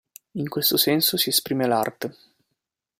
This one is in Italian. In questo senso si esprime l'art.